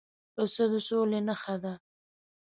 پسه د سولې نښه ده.